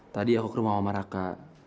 tadi aku ke rumah sama raka